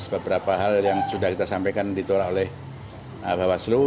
beberapa hal yang sudah kita sampaikan ditolak oleh bawaslu